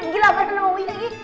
dia udah paling bener